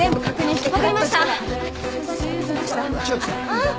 ああ。